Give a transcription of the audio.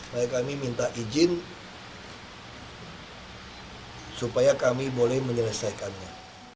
makanya kami minta izin supaya kami boleh menyelesaikannya